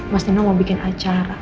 mas dino mau bikin acara